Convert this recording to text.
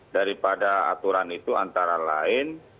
daripada aturan itu antara lain